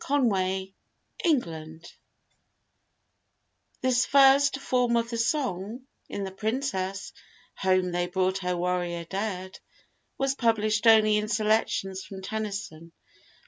LII =Song= [This first form of the Song in The Princess ('Home they brought her warrior dead') was published only in Selections from Tennyson.